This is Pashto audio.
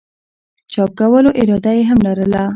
چاپ کولو اراده ئې هم لرله